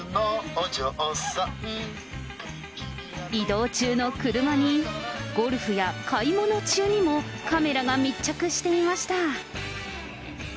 移動中の車に、ゴルフや買い物中にも、カメラが密着していました。